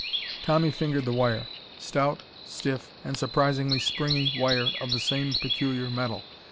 Tommy fingered the wire. Stout, stiff, and surprisingly springy wire of the same peculiar metal.